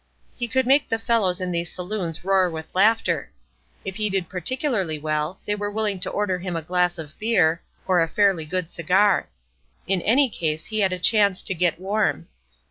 He could make the fellows in these saloons roar with laughter. If he did particularly well, they were willing to order for him a glass of beer, or a fairly good cigar; in any case he had a chance to get warm.